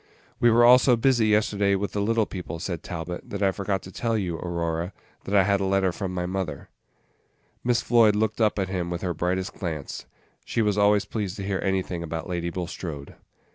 "We were so busy all yesterday with the little people," said Talbot, "that I forgot to tell you, Aurora, that I had had a letter from my mother." Miss Floyd looked up at him with her brightest glance. She was always pleased to hear anything about Lady Bulstrode.